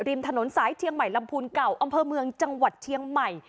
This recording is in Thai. ริมถนนสายเชียงใหม่ลำพูนเก่าอำเภอเมืองจังหวัดเชียงใหม่